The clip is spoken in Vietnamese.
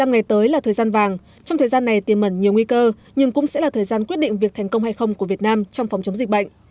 một mươi ngày tới là thời gian vàng trong thời gian này tiềm mẩn nhiều nguy cơ nhưng cũng sẽ là thời gian quyết định việc thành công hay không của việt nam trong phòng chống dịch bệnh